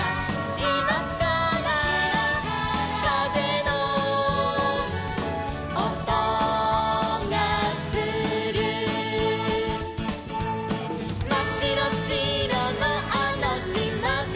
「しまからかぜのおとがする」「まっしろしろのあのしまで」